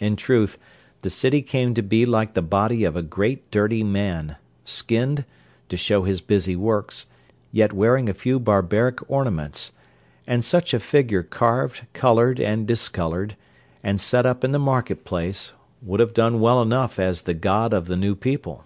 In truth, the city came to be like the body of a great dirty man, skinned, to show his busy works, yet wearing a few barbaric ornaments; and such a figure carved, coloured, and discoloured, and set up in the market place, would have done well enough as the god of the new people.